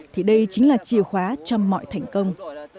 thì đây chính là chìa khóa cho mọi thành công